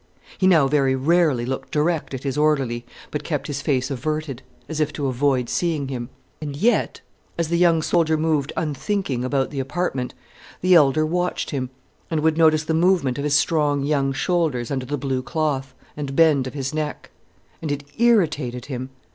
He now very rarely looked direct at his orderly, but kept his face averted, as if to avoid seeing him. And yet as the young soldier moved unthinking about the apartment, the elder watched him, and would notice the movement of his strong young shoulders under the blue cloth, the bend of his neck. And it irritated him.